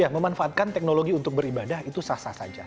memanfaatkan teknologi untuk beribadah itu sah sah saja